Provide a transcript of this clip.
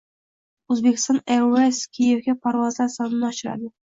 Uzbekistan Airways Kiyevga parvozlar sonini oshiradi